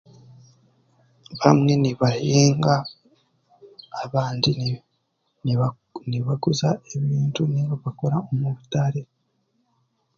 Bamwe nibahinga abandi niba nibaku nibaguza ebintu ebi bakora omu butare